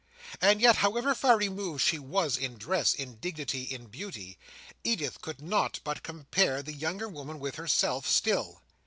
And yet, however far removed she was in dress, in dignity, in beauty, Edith could not but compare the younger woman with herself, still.